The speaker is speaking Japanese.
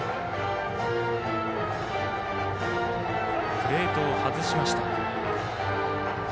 プレートを外しました。